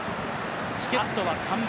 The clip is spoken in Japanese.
チケットは完売。